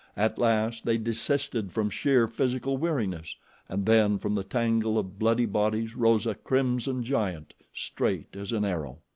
At last they desisted from sheer physical weariness, and then from the tangle of bloody bodies rose a crimson giant, straight as an arrow.